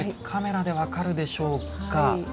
カメラで分かるでしょうか。